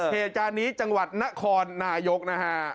เหตุการณ์นี้จังหวัดนครนายกนะฮะ